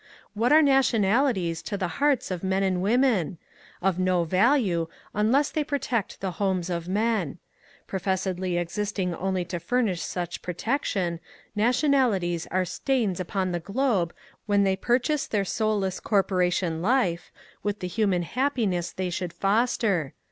What are nation alities to the hearts of men and women ? Of no value unless they protect the homes of men ; professedly existing only to furnish such protection, nationalities are stains upon the globe when they purchase their soulless corporation life with the human happiness they should foster.